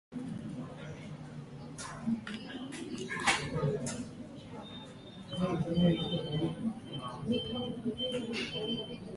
Television stations were later added under the same call letters.